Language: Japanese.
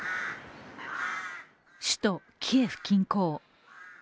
首都キエフ近郊。